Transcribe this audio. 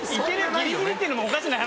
ギリギリっていうのもおかしな話。